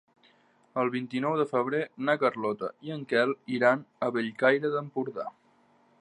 El vint-i-nou de febrer na Carlota i en Quel iran a Bellcaire d'Empordà.